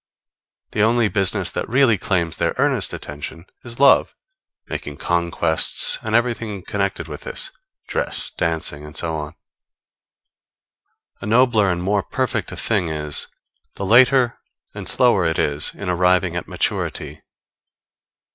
The only business that really claims their earnest attention is love, making conquests, and everything connected with this dress, dancing, and so on. The nobler and more perfect a thing is, the later and slower it is in arriving at maturity.